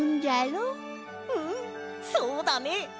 うんそうだね！